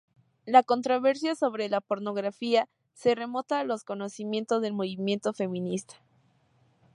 La controversia sobre la pornografía se remonta a los comienzos del movimiento feminista.